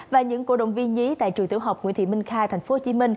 và những cổ động viên nhí tại trường tiểu học nguyễn thị minh khai tp hcm